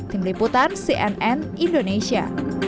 tim liputan cnn indonesia